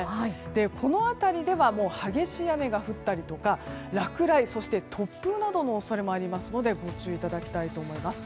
この辺りでは激しい雨が降ったりとか落雷、そして突風などの恐れもありますのでご注意いただきたいと思います。